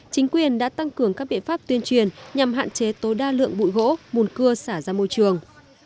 chính quyền đã tăng cường các biện pháp tuyên truyền nhằm hạn chế tối đa lượng bụi gỗ mùn cưa xả ra môi trường